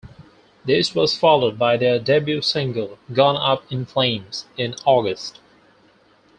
This was followed by their debut single, "Gone Up in Flames", in August.